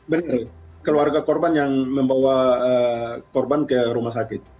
benar keluarga korban yang membawa korban ke rumah sakit